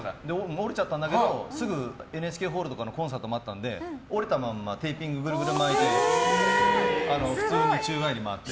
折れちゃったんだけどすぐＮＨＫホールでのコンサートがあったので折れたままテーピングぐるぐる巻いて普通に宙返り回って。